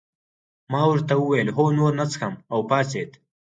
ما ورته وویل هو نور نه څښم او پاڅېد.